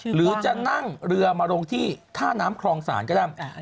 หรือจะนั่งเรือมาลงที่ท่าน้ำครองศาลก็ได้